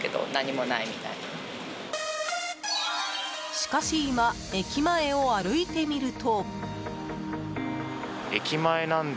しかし、今駅前を歩いてみると。